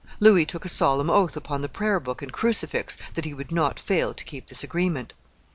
Louis took a solemn oath upon the prayer book and crucifix that he would not fail to keep this agreement.